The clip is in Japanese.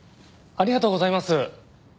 ありがとうございます。